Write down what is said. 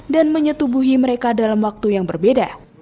menyetubuhi mereka dalam waktu yang berbeda